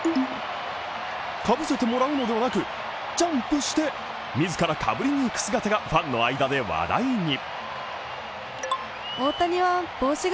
かぶせてもらうのではなく、ジャンプして自らかぶりにいく姿がファンの間で話題に。